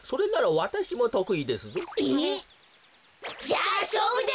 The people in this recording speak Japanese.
じゃあしょうぶだ！